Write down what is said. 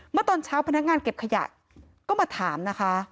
เมื่อตอนเช้าพนักงานเก็บขยะก็มาถามนะคะ